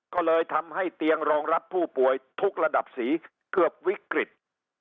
ก็เลยทำให้เตียงรองรับผู้ป่วยทุกระดับสีเกือบวิกฤต